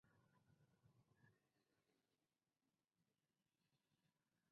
Los niños tienen edades comprendidas entre los seis y los doce años.